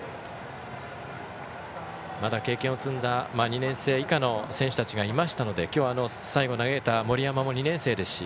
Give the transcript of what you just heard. まだ経験を積んだ２年生以下の選手たちがいましたので今日は最後投げた森山も２年生です。